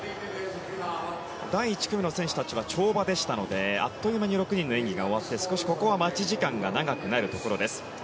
第１組の選手たちは跳馬でしたのであっという間に６人の演技が終わって少し待ち時間が長くなるところです。